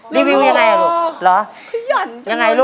รีวิวยังไงลูกยันยนต์